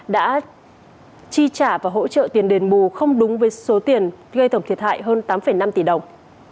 đã chi trả và hỗ trợ tiền đền bù không đúng với số tiền gây tổng thiệt hại hơn tám năm tỷ đồng